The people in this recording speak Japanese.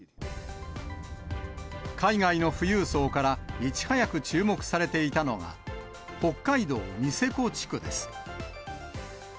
海外の富裕層からいち早く注目されていたのが、北海道ニセコ地区です。